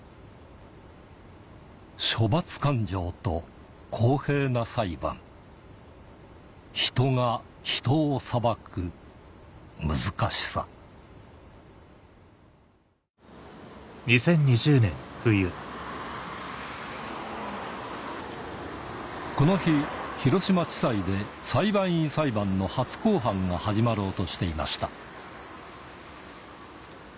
処罰感情と公平な裁判人が人を裁く難しさこの日広島地裁で裁判員裁判の初公判が始まろうとしていました